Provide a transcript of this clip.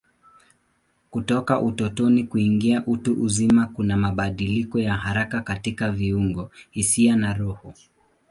Kutoka utotoni kuingia utu uzima kuna mabadiliko ya haraka katika viungo, hisia na roho.